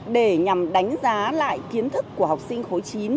để nhằm đánh giá lại kiến thức của học sinh khối chín